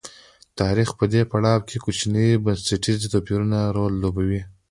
د تاریخ په دې پړاو کې کوچني بنسټي توپیرونه مهم رول لوبوي.